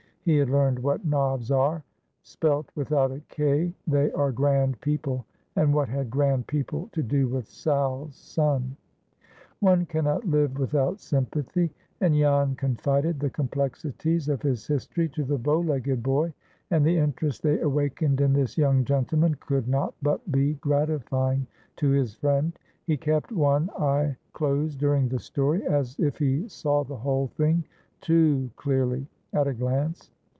He had learned what nobs are. Spelt without a "k," they are grand people, and what had grand people to do with Sal's son? One cannot live without sympathy, and Jan confided the complexities of his history to the bow legged boy, and the interest they awakened in this young gentleman could not but be gratifying to his friend. He kept one eye closed during the story, as if he saw the whole thing (too clearly) at a glance.